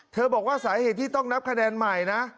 บอกว่าสาเหตุที่ต้องนับคะแนนใหม่นะ